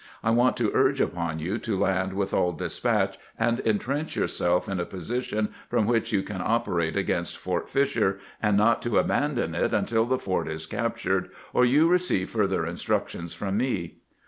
I want to urge upon you to land with all despatch, and intrench yourself in a position from which you can operate against Fort Fisher, and not to abandon it untU the fort is captured or you receive further instructions from me."